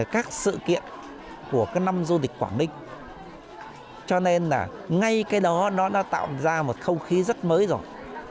các sự kiện của năm du lịch quảng ninh cho nên là ngay cái đó nó đã tạo ra một không khí rất mới rồi